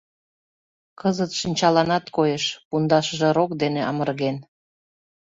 Кызыт шинчаланат коеш: пундашыже рок дене амырген.